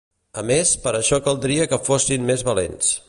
A més, per a això caldria que fossin més valents.